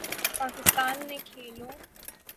پاکستان نے کھیلو